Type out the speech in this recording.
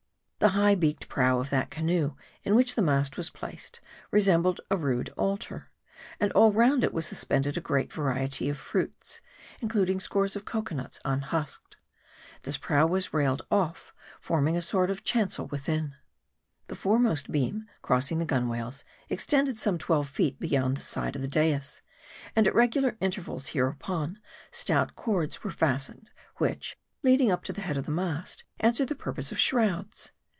The high, beaked prow of that canoe in which the mast was placed, resembled a rude altar ; and all round it was suspended a great variety of fruits, including G* 154 M A R D I. scores of cocoanuts, unhusked. This prow was railed off, forming a sort of chancel within. The foremost beam, crossing the gunwales, extended some twelve feet beyond the side of the dais ; and at regular in tervals hereupon, stout cords were fastened, which, leading up to the head of the mast, answered the purpose of shrouds.